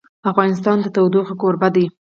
افغانستان د تودوخه کوربه دی.